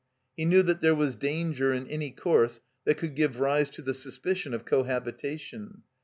He knew that there was danger in any course that could give rise to the suspicion of cohabitation.